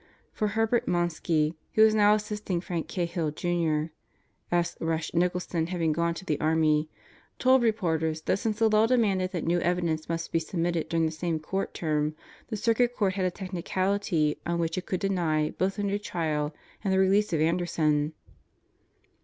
For Herbert Monsky, who was now assisting Frank Cahill, Jr. (S. Rush Nicholson having gone to the army), told reporters that since the law demanded that new evidence must be submitted during the same court term, the Circuit Court had a technicality on which it could deny both a new trial and the release of Anderson.